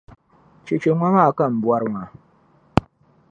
Cheche ŋɔ maa ka n-bɔri maa.